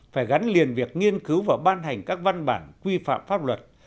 phải gắn liền việc nghiên cứu và ban hành các văn bản quy phạm pháp luật